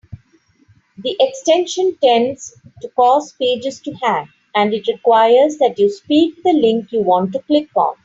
The extension tends to cause pages to hang, and it requires that you speak the link you want to click on.